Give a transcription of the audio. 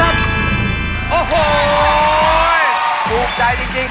โหห้ถูกใจจริง